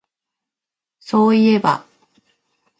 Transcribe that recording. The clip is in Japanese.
そういえば